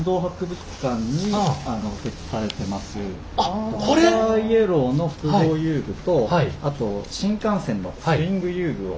ドクターイエローの複合遊具とあと新幹線のスイング遊具を。